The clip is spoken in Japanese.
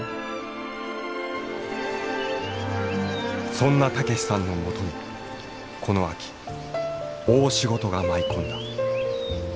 そんな武さんのもとにこの秋大仕事が舞い込んだ。